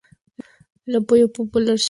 El apoyo popular se había perdido.